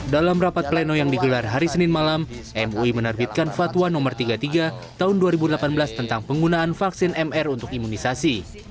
dalam rapat pleno yang digelar hari senin malam mui menerbitkan fatwa no tiga puluh tiga tahun dua ribu delapan belas tentang penggunaan vaksin mr untuk imunisasi